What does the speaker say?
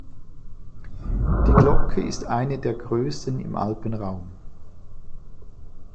Die Glocke ist eine der größten im Alpenraum.